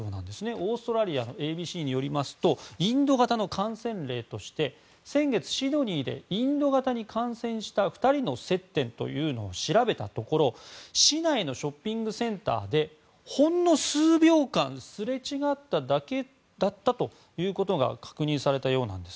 オーストラリアのＡＢＣによりますとインド型の感染例として先月、シドニーでインド型に感染した２人の接点を調べたところ市内のショッピングセンターでほんの数秒間すれ違っただけだったということが確認されたようなんです。